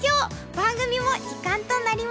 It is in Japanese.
番組も時間となりました。